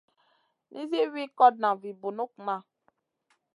Nizi wi kotna vi bunukŋa.